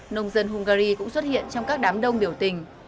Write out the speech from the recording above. nông dân hungary cũng xuất hiện trong các đám đông biểu tình